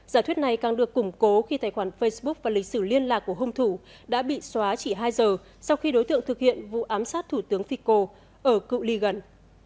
giả thuyết này càng được củng cố khi tài khoản facebook và lịch sử liên lạc của hung thủ đã bị xóa chỉ hai giờ sau khi đối tượng thực hiện vụ ám sát thủ tướng fico ở cựu ly gần